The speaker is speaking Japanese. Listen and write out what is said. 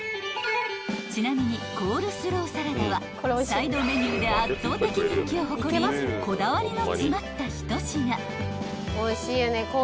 ［ちなみにコールスローサラダはサイドメニューで圧倒的人気を誇りこだわりの詰まった一品］